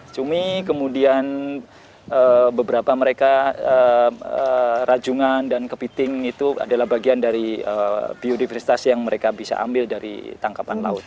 cumi kemudian beberapa mereka rajungan dan kepiting itu adalah bagian dari biodiversitas yang mereka bisa ambil dari tangkapan laut